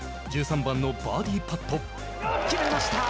１３番のバーディーパット。